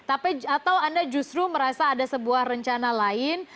tapi atau anda justru merasa ada sebuah rencana lain